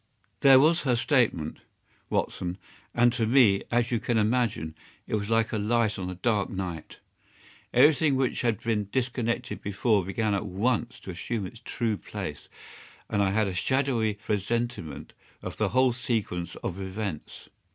"There was her statement, Watson, and to me, as you can imagine, it was like a light on a dark night. Everything which had been disconnected before began at once to assume its true place, and I had a shadowy presentiment of the whole sequence of events.